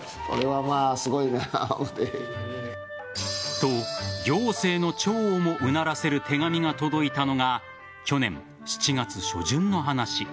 と、行政の長をもうならせる手紙が届いたのが去年７月初旬の話。